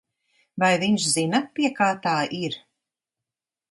Vai viņš zina, pie kā tā ir?